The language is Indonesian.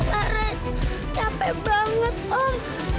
om lara capek banget om